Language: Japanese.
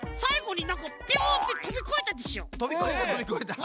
とびこえたとびこえた！